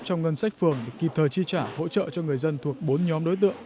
trong ngân sách phường để kịp thời chi trả hỗ trợ cho người dân thuộc bốn nhóm đối tượng